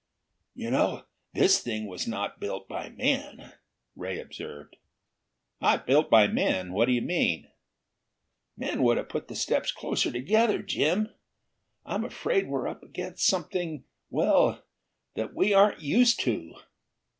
"You know, this thing was not built by men," Ray observed. "Not built by men? What do you mean?" "Men would have put the steps closer together. Jim, I'm afraid we are up against something well that we aren't used to."